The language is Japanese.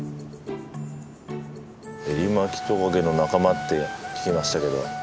エリマキトカゲの仲間って聞きましたけど。